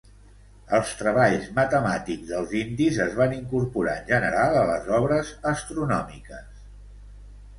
Els treballs matemàtics dels indis es van incorporar en general a les obres astronòmiques.